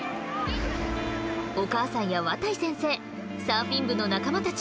お母さんや渡井先生サーフィン部の仲間たち